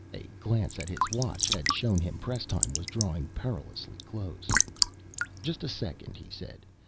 A glance at his watch had shown him press time was drawing perilously close. "Just a second," he said.